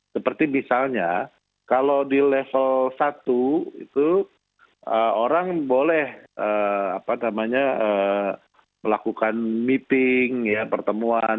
seperti misalnya kalau di level satu itu orang boleh melakukan meeting pertemuan